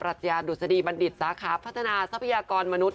รัชญาดุษฎีบัณฑิตสาขาพัฒนาทรัพยากรมนุษย